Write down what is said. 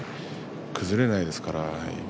崩れないですから。